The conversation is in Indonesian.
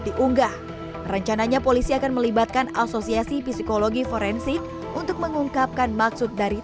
diunggah rencananya polisi akan melibatkan asosiasi psikologi forensik untuk mengungkapkan maksud dari